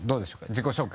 自己紹介。